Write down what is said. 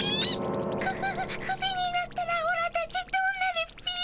ククククビになったらオラたちどうなるっピィ？